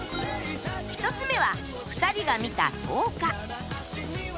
１つ目は２人が見た糖化